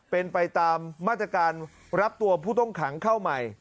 เป็นไปตามมาตรการรับตัวผู้ต้องขังเข้าใหม่